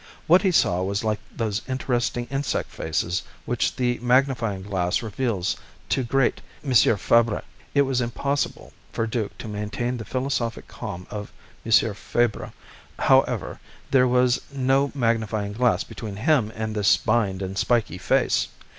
What he saw was like those interesting insect faces which the magnifying glass reveals to great M. Fabre. It was impossible for Duke to maintain the philosophic calm of M. Fabre, however; there was no magnifying glass between him and this spined and spiky face.